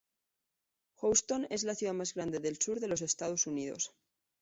Houston es la ciudad más grande del sur de los Estados Unidos.